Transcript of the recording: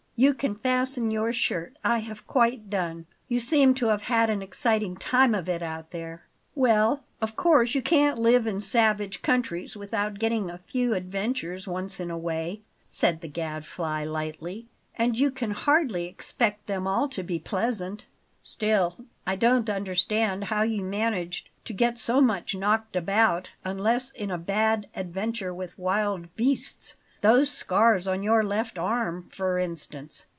You can fasten your shirt; I have quite done. You seem to have had an exciting time of it out there." "Well, of course you can't live in savage countries without getting a few adventures once in a way," said the Gadfly lightly; "and you can hardly expect them all to be pleasant." "Still, I don't understand how you managed to get so much knocked about unless in a bad adventure with wild beasts those scars on your left arm, for instance."